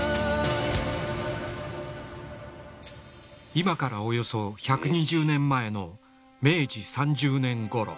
今からおよそ１２０年前の明治３０年ごろ。